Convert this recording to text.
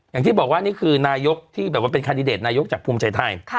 อย่างที่บอกว่านี่คือนายกที่แบบว่าเป็นคันดิเดตนายกจากภูมิใจไทย